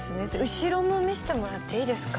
後ろも見せてもらっていいですか？